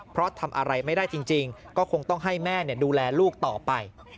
เพราะทำอะไรไม่ได้จริงก็คงต้องให้แม่ดูแลลูกต่อไป